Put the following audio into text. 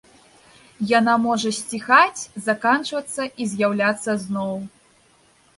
Яна можа сціхаць, заканчвацца і з'яўляцца зноў.